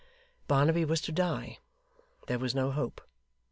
Barnaby was to die. There was no hope.